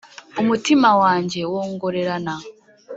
umutima wanjye wongorerana,